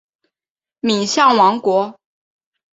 敏象王国。